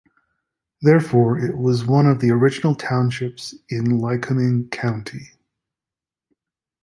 Therefore, it was one of the original townships in Lycoming County.